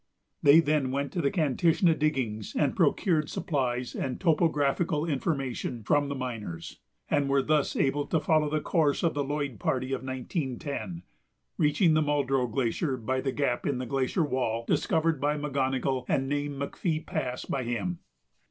They then went to the Kantishna diggings and procured supplies and topographical information from the miners, and were thus able to follow the course of the Lloyd party of 1910, reaching the Muldrow Glacier by the gap in the glacier wall discovered by McGonogill and named McPhee Pass by him.